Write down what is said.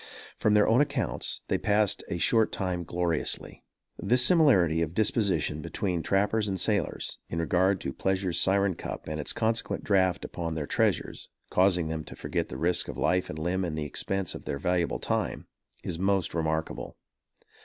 From their own accounts, they passed a short time gloriously. This similarity of disposition between trappers and sailors, in regard to pleasure's syren cup and its consequent draft upon their treasures, causing them to forget the risk of life and limb and the expense of their valuable time, is most remarkable.